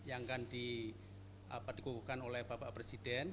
kita akan gunakan untuk pengukuhan yang akan dikukuhkan oleh bapak presiden